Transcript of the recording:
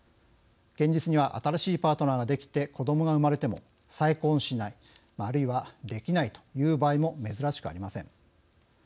現実には新しいパートナーができて子どもが生まれても再婚しない、あるいはできないという場合も珍しくありません。